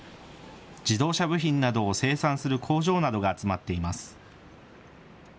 自動車部品などを生産する工場などが集まっています。